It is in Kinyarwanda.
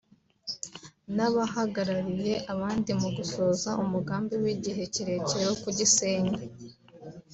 n’abahagarariye abandi mu gusohoza umugambi w’igihe kirekire wo kugisenya